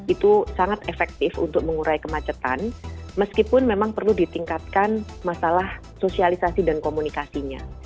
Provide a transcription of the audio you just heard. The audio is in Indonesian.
itu sangat efektif untuk mengurai kemacetan meskipun memang perlu ditingkatkan masalah sosialisasi dan komunikasinya